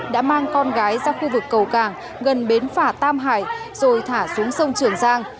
đã mang con gái ra khu vực cầu cảng gần bến phà tam hải rồi thả xuống sông trường giang